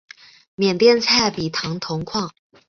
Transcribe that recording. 缅甸莱比塘铜矿。